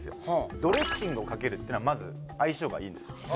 ドレッシングをかけるってのはまず相性がいいんです